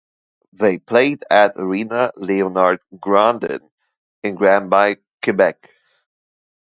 They played at Arena Leonard Grondin in Granby, Quebec.